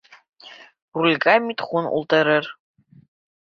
Рулгә Митхун ултырыр.